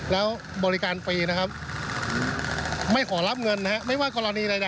แล้วบริการฟรีไม่ขอรับเงินไม่ว่ากรณีใดนะครับ